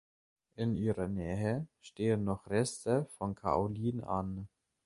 In ihrer Nähe stehen noch Reste von Kaolin an.